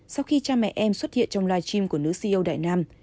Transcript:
sau khi cha mẹ em xuất hiện trong live stream của nữ ceo đại nam